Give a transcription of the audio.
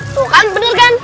tuh kan bener kan